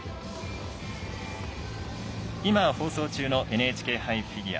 今、放送中のＮＨＫ杯フィギュア。